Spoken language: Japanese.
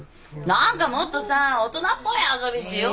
何かもっとさ大人っぽい遊びしようよ。